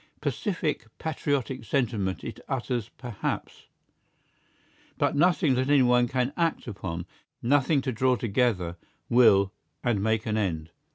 Pacific, patriotic sentiment it utters perhaps, but nothing that anyone can act upon, nothing to draw together, will, and make an end.